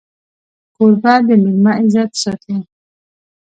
کوربه د مېلمه عزت ساتي.